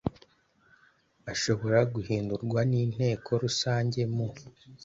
ashobora guhindurwa n Inteko Rusange mu